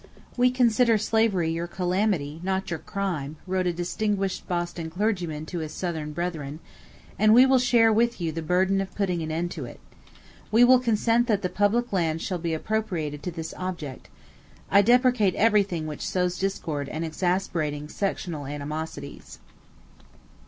"We consider slavery your calamity, not your crime," wrote a distinguished Boston clergyman to his Southern brethren, "and we will share with you the burden of putting an end to it. We will consent that the public lands shall be appropriated to this object.... I deprecate everything which sows discord and exasperating sectional animosities."